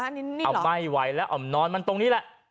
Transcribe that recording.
อ๋อนี่หรออ๋อไม่ไหวแล้วอ๋อนอนมันตรงนี้แหละ